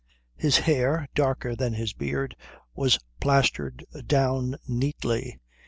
His hair, darker than his beard, was plastered down neatly.